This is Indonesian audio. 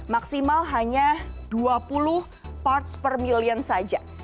maksimal hanya dua puluh parts per million saja